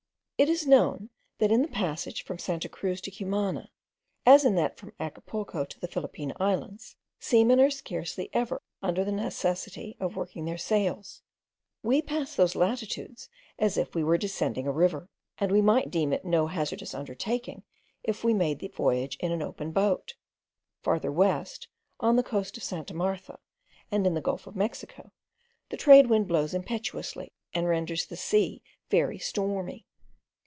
It is known, that in the passage from Santa Cruz to Cumana, as in that from Acapulco to the Philippine Islands, seamen are scarcely ever under the necessity of working their sails. We pass those latitudes as if we were descending a river, and we might deem it no hazardous undertaking if we made the voyage in an open boat. Farther west, on the coast of Santa Martha and in the Gulf of Mexico, the trade wind blows impetuously, and renders the sea very stormy.